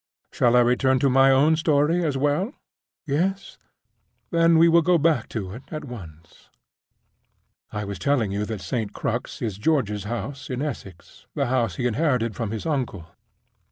Shall I return to my own story as well? Yes? Then we will go back to it at once. I was telling you that St. Crux is George's house, in Essex, the house he inherited from his uncle.